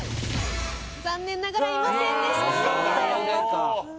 残念ながらいませんでした。